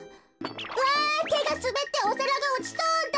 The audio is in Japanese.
わてがすべっておさらがおちそうだ！